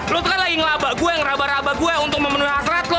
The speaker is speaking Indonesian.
lo kan lagi ngelabak gue ngerabak rabak gue untuk memenuhi hasrat lo